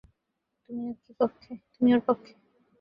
তুমি ও ওর পক্ষে?